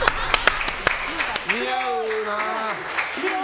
似合うな。